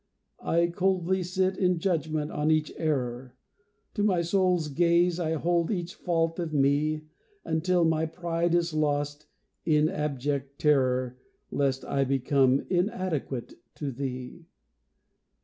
I coldly sit in judgment on each error, To my soul's gaze I hold each fault of me, Until my pride is lost in abject terror, Lest I become inadequate to thee.